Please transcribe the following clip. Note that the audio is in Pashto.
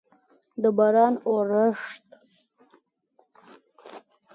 د باران اورښت